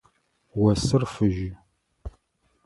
Осыр фыжьы.